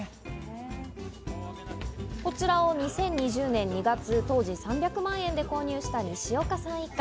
こちらを２０２０年２月、当時３００万円で購入した西岡さん一家。